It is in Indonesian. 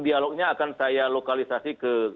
dialognya akan saya lokalisasi ke